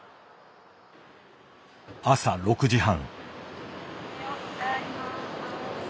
朝６時半。